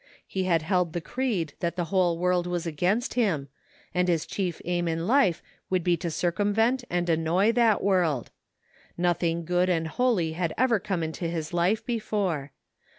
He had held the creed that the whole world was against him, and his chief aim in life should be to circumvent and annoy that world. Nothing good and holy had ever come into his life before.